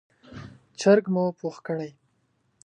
چرګ مو پوخ کړی،